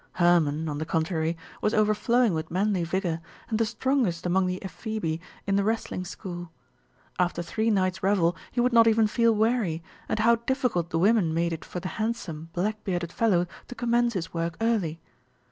Hermon, on the contrary, was overflowing with manly vigour, and the strongest among the Ephebi in the wrestling school. After three nights' revel he would not even feel weary, and how difficult the women made it for the handsome, black bearded fellow to commence his work early!